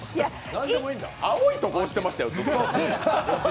青いところ押してましたよ、途中。